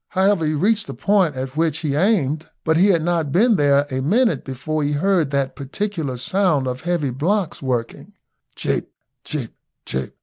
However, he reached the point as which he aimed, but he had not been there a minute before he heard that peculiar sound of heavy blocks working, cheep, cheep, cheep.